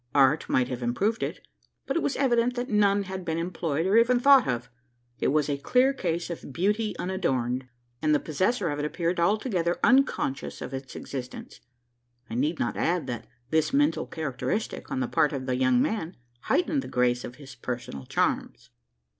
Art might have improved it; but it was evident that none had been employed, or even thought of. It was a clear case of "beauty unadorned;" and the possessor of it appeared altogether unconscious of its existence. I need not add that this mental characteristic, on the part of the young man, heightened the grace of his personal charms.